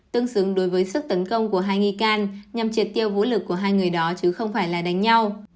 tương xứng đối với sức tấn công của hai nghi can nhằm triệt tiêu vũ lực của hai người đó chứ không phải là đánh nhau